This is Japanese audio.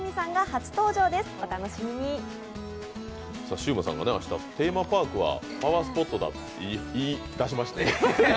シウマさんが明日、テーマパークはパワースポットだって言いだしまして。